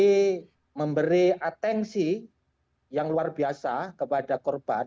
kami memberi atensi yang luar biasa kepada korban